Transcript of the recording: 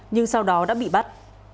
nhưng sau đó đã bị bắt